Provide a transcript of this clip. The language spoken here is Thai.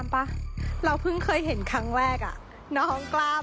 ใช่เป็นก้นเลยอ่ะค่ะ